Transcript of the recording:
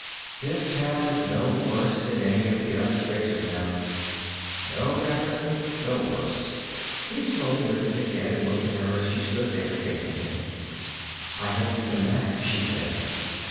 "This town is no worse than any of the other Spacertowns. No better, but no worse." He slowly lifted his head and looked at her as she stood there facing him. "I hope you come back," she said.